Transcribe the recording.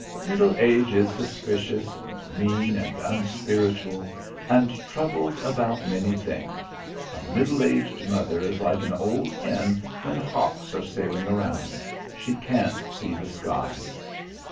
Middle age is suspicious and mean and unspiritual and troubled about many things. A middle aged mother is like an old hen when hawks are sailing around; she can't see the sky."